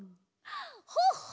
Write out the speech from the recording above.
ほっほ！